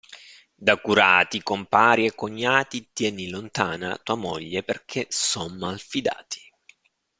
Da curati, compari e cognati tieni lontana tua moglie perché son malfidati.